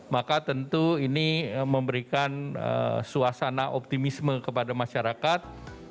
maka tentu ini memberikan suasana optimisme kepada masyarakat